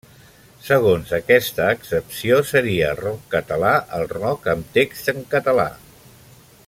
Segons aquesta accepció seria rock català el rock amb text en català.